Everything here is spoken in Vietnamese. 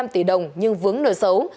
một hai mươi năm tỷ đồng nhưng vướng nổi xấu